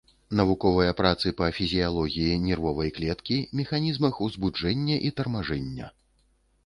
Навуковыя працы па фізіялогіі нервовай клеткі, механізмах узбуджэння і тармажэння.